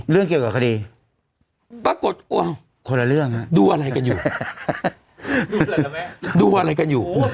เรื่องเกี่ยวกับคดีปรากฏอ้าวคนละเรื่องฮะดูอะไรกันอยู่